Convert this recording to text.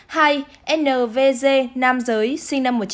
hai nvg nam giới sinh năm một nghìn chín trăm bốn mươi hai